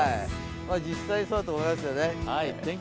実際そうだと思いますね。